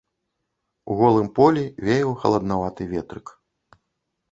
У голым полі веяў халаднаваты ветрык.